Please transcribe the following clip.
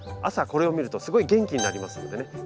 朝これを見るとすごい元気になりますんでね。